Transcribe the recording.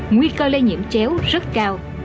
nguy cơ lây nhiễm chéo rất cao